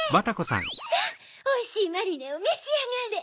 さぁおいしいマリネをめしあがれ！